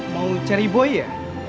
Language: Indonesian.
mau cari boy ya